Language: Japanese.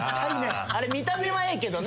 あれ見た目はええけどな。